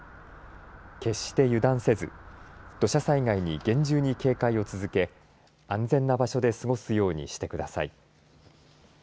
決して油断せず土砂災害に厳重に警戒を続け安全な場所で過ごすようにしてください。